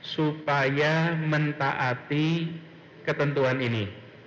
supaya mentaati ketentuan ini